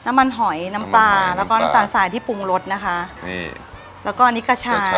น้ำมันหอยน้ำปลาแล้วก็น้ำตาลสายที่ปรุงรสนะคะ